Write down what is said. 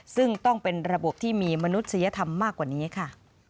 ซึ่งต้องเป็นระบบที่มีมนุษยธรรมมากกว่านี้ค่ะ